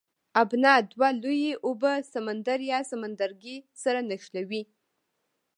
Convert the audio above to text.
ابنا دوه لویې اوبه سمندر یا سمندرګی سره نښلوي.